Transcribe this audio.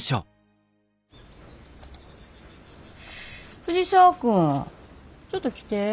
藤沢君ちょっと来て。